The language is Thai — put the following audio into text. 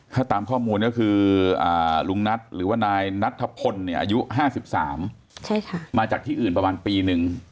ถ้าตามข้อมูลก็คือลุงนัทหรือว่านายนัทธพลอายุ๕๓มาจากที่อื่นประมาณปีหนึ่ง